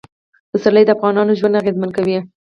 پسرلی د افغانانو ژوند اغېزمن کوي.